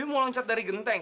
dia mau loncat dari genteng